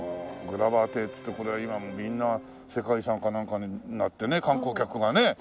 グラバー邸っつってこれは今もうみんな世界遺産かなんかになってね観光客がね。